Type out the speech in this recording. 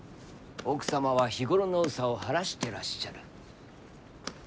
奥様は日頃の憂さを晴らしてらっしゃる。